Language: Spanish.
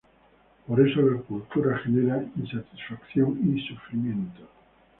Por eso, la cultura genera insatisfacción y sufrimiento.